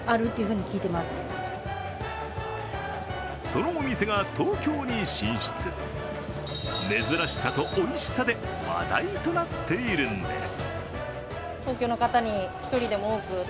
そのお店が東京に進出、珍しさとおいしさで話題となっているんです。